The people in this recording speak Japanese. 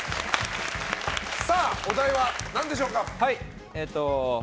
お題は何でしょうか？